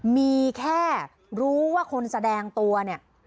มีแค่รู้ว่าคนแสดงตัวเนี่ย